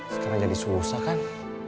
sekarang jadi susah kan